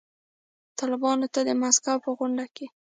طالبانو ته د مسکو په غونډه کې